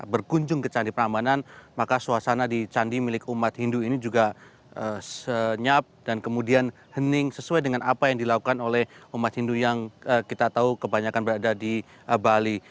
berkunjung ke candi prambanan maka suasana di candi milik umat hindu ini juga senyap dan kemudian hening sesuai dengan apa yang dilakukan oleh umat hindu yang kita tahu kebanyakan berada di bali